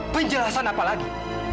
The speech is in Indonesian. penjelasan apa lagi